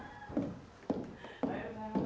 おはようございます。